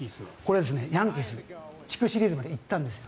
ヤンキースは地区シリーズまで行ったんです。